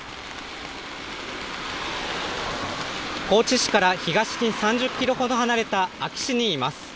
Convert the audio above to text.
高知市から東に３０キロほど離れた安芸市にいます。